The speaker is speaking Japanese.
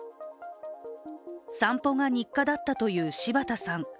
散歩が日課だったという柴田さん。